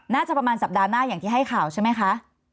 น่าจะประมาณสัปดาห์หน้าอย่างที่ให้ข่าวใช่ไหมคะ